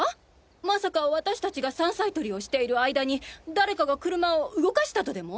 まさか私達が山菜採りをしている間に誰かが車を動かしたとでも？